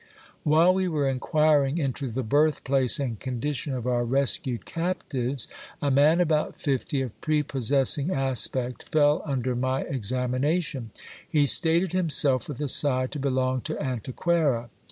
While we were inquiring into the birth place and condition of our rescued captives, a man about fifty, of prepossessing aspect, fell under my examination. He stated himself, with a sigh, to belong to Antequera.